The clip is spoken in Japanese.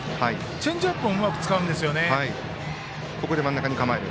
チェンジアップをうまく使うんですよね。